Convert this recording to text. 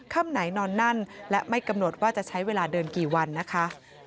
ค่ำไหนนอนนั่นและไม่กำหนดว่าจะใช้เวลาเดินกี่วันนะคะ